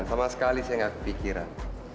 sama sekali saya gak kepikiran